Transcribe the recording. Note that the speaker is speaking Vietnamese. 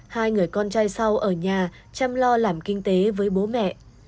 hai người con trai sau ở nhà chăm lo làm kinh tế với bố mẹ